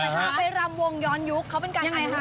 พี่มีความสะเผินกับทราบไฟรำวงย้อนยุคเขาเป็นการไอฮาล์